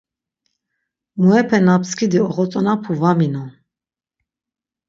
Muepe na pskidi oxotzonapu va minon.